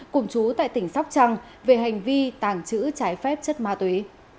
cùng chú tại tỉnh sóc trăng về hành vi tàng trữ trái phép chất ma túy